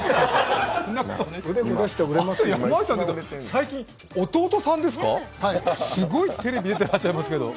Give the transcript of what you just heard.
山内さん、最近、弟さんですか、すごいテレビ出てらっしゃいますけど？